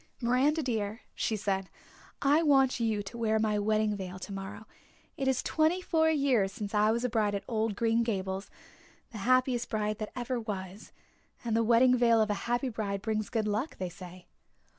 "Miranda dear," she said, "I want you to wear my wedding veil tomorrow. It is twenty four years since I was a bride at old Green Gables the happiest bride that ever was and the wedding veil of a happy bride brings good luck, they say."